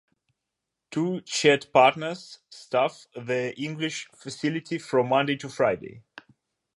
Two "chat partners" staff the English facility from Monday to Friday.